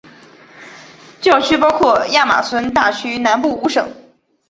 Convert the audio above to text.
教区包括亚马孙大区南部五省。